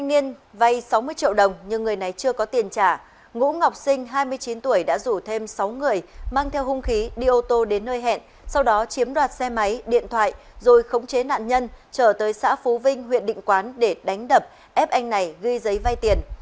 nghiên vay sáu mươi triệu đồng nhưng người này chưa có tiền trả ngũ ngọc sinh hai mươi chín tuổi đã rủ thêm sáu người mang theo hung khí đi ô tô đến nơi hẹn sau đó chiếm đoạt xe máy điện thoại rồi khống chế nạn nhân trở tới xã phú vinh huyện định quán để đánh đập ép anh này ghi giấy vay tiền